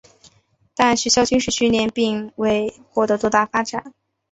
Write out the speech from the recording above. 但学校军事训练并未获得多大发展。